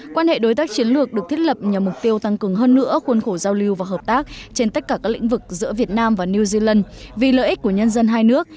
quan hệ đối tác chiến lược được thiết lập nhờ mục tiêu tăng cường hơn nữa khuôn khổ giao lưu và hợp tác trên tất cả các lĩnh vực giữa việt nam và new zealand vì lợi ích của nhân dân hai nước